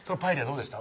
どうでした？